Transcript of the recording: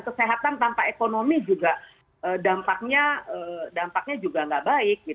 kesehatan tanpa ekonomi juga dampaknya juga nggak baik